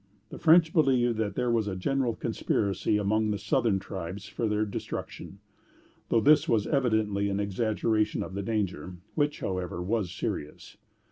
The French believed that there was a general conspiracy among the southern tribes for their destruction, though this was evidently an exaggeration of the danger, which, however, was serious.